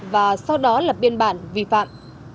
và sau đó lập biên bản vi phạm